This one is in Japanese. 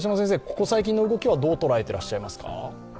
ここ最近の動きはどう捉えていらっしゃいますか？